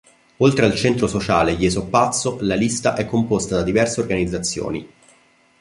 Oltre al centro sociale Je so' pazzo la lista è composta da diverse organizzazioni.